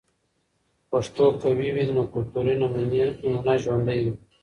که پښتو قوي وي، نو کلتوري نمونه ژوندۍ وي.